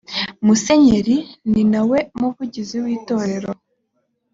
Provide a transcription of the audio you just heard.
musenyeri ni nawe muvugizi w’itorero